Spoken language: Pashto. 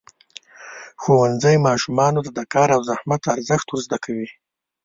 ښوونځی ماشومانو ته د کار او زحمت ارزښت ورزده کوي.